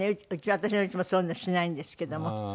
私のうちもそういうのしないんですけども。